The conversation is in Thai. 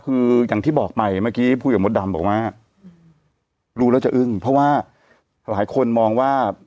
คืออย่างที่บอกไปเมื่อกี้พูดกับมดดำบอกว่ารู้แล้วจะอึ้งเพราะว่าหลายคนมองว่า